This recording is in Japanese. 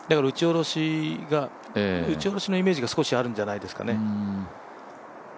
打ち下ろしのイメージが少しあるんじゃないですかね。